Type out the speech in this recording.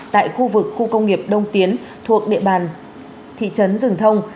tại khu vực khu công nghiệp đông tiến thuộc địa bàn thị trấn rừng thông